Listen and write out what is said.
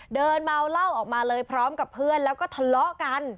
เดินเมาเหล้าออกมาเลยพร้อมกับเพื่อนแล้วก็ทะเลาะกัน